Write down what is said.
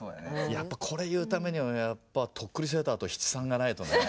やっぱこれ言うためにはやっぱとっくりセーターと七三がないとね。